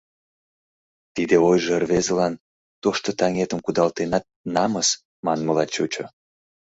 Тиде ойжо рвезылан «Тошто таҥетым кудалтенат, намыс» манмыла чучо.